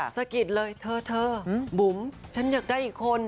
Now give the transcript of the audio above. สะกิดเลยเธอบุ๋มฉันอยากได้อีกคน